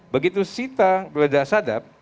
begitu sita geledah sadat